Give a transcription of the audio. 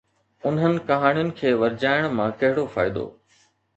انهن ڪهاڻين کي ورجائڻ مان ڪهڙو فائدو؟